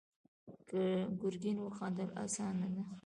ګرګين وخندل: اسانه ده.